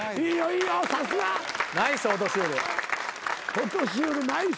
ホトシュールナイス。